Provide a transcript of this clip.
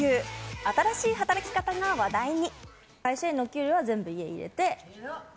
新しい働き方が話題に。